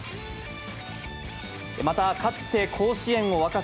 また、かつて甲子園を沸かせ、